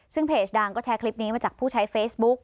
ซึ่งเพจดังก็แชร์คลิปนี้มาจากผู้ใช้เฟซบุ๊ก